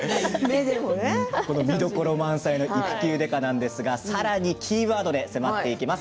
「育休刑事」なんですがさらにキーワードで迫っていきます。